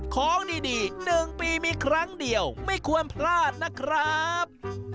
ของดี๑ปีมีครั้งเดียวไม่ควรพลาดนะครับ